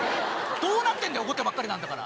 どうなってんだよ、怒ってばっかりなんだから。